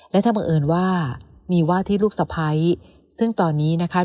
และถ้าบังเอิญว่ามีว่าที่ลูกสะพ้ายซึ่งตอนนี้นะคะ